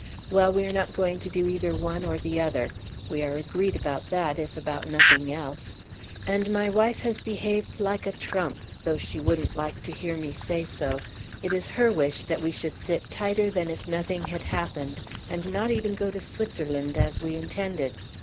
Well, we are not going to do either one or the other; we are agreed about that, if about nothing else. And my wife has behaved like a trump, though she wouldn't like to hear me say so; it is her wish that we should sit tighter than if nothing had happened, and not even go to Switzerland as we intended.